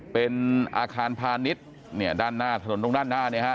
เป็นอาคารพาณิชย์เนี่ยด้านหน้าถนนตรงด้านหน้าเนี่ยฮะ